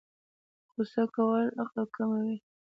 غوسه کول عقل کموي